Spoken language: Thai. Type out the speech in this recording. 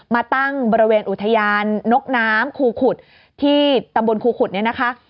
มาตั้งบริเวณอุทยานนกน้ำครูขุดที่ตำบลครูขุดเนี่ยนะคะ